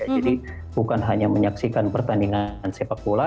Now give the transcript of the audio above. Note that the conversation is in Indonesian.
bukan hanya menyaksikan pertandingan sepak bola